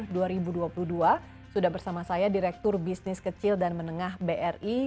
brilliantpreneur dua ribu dua puluh dua sudah bersama saya direktur bisnis kecil dan menengah bri